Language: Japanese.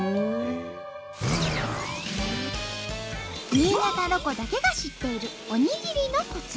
新潟ロコだけが知っているおにぎりのコツ。